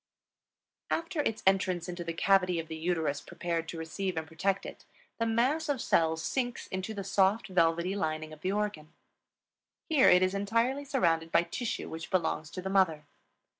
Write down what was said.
After its entrance into the cavity of the uterus prepared to receive and protect it, the mass of cells sinks into the soft, velvety lining of the organ. Here it is entirely surrounded by tissue which belongs to the mother.